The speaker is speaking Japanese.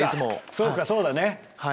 そっかそうだね。